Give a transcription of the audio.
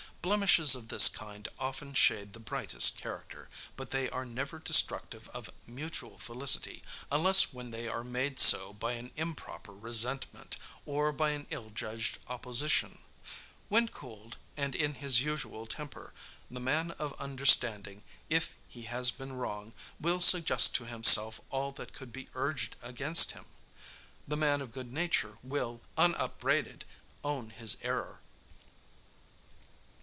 Blemishes of this kind often shade the brightest character; but they are never destructive of mutual felicity, unless when they are made so by an improper resentment, or by an ill judged opposition. When cooled, and in his usual temper, the man of understanding, if he has been wrong, will suggest to himself all that could be urged against him. The man of good nature will, unupbraided, own his error.